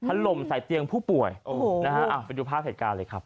ถล่มใส่เตียงผู้ป่วยโอ้โหนะฮะไปดูภาพเหตุการณ์เลยครับ